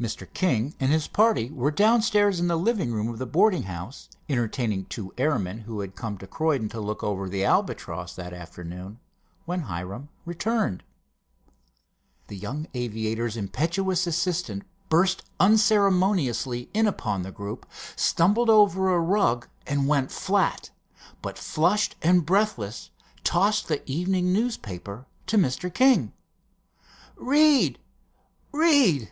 Mr. King and his party were downstairs in the living room of the boarding house, entertaining two airmen who had come to Croydon to look over the Albatross that afternoon, when Hiram returned. The young aviator's impetuous assistant burst unceremoniously in upon the group, stumbled over a rug and went flat, but flushed and breathless tossed the evening newspaper to Mr. King. "Read, read!"